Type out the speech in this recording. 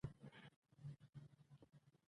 د باران څاڅکو کړکۍ وټکوله.